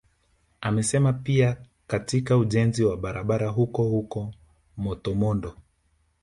Amesema pia katika ujenzi wa barabara huko huko Matomondo